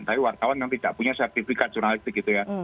tapi wartawan memang tidak punya sertifikat jurnalistik gitu ya